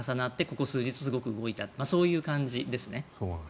ここ数日すごく動いたそういう感じですね。